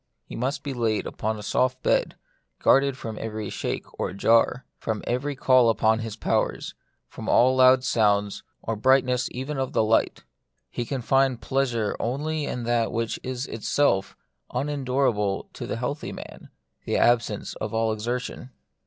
He must be laid upon a soft bed, guarded from every shake or jar, from every call upon his powers, from all loud sounds, or brightness even of the light. He can find pleasure only in that which is itself unendurable to the healthy man, the absence of all exertion.